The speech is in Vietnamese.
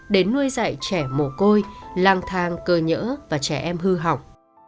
để nuôi dạy trẻ mổ côi làng thang cơ nhỡ và trẻ em hư học